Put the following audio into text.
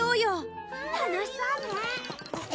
楽しそうね。